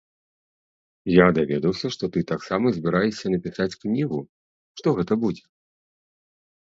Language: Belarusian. Я даведаўся, што ты таксама збіраешся напісаць кнігу, што гэта будзе?